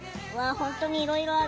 本当にいろいろある。